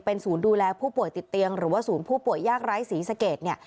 ศูนย์ดูแลผู้ป่วยติดเตียงหรือว่าศูนย์ผู้ป่วยยากไร้ศรีสเกตเนี่ย